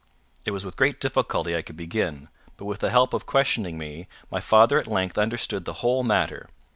It was with great difficulty I could begin, but with the help of questioning me, my father at length understood the whole matter.